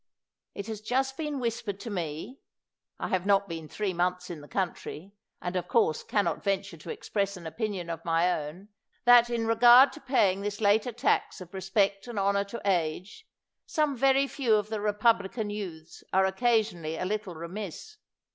It has 207 THE WORLD'S FAMOUS ORATIONS just been whispered to me — I have not been three months in the country, and, of course, can not venture to express an opinion of my o^\ti — that, in regard to paying this later tax of respect and honor to age, some verj^ few of the Republican youths are occasionally a little remiss.